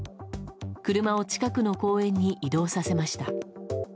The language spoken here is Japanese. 車を近くの公園に移動させました。